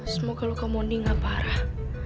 semoga lu kemondi nggak parah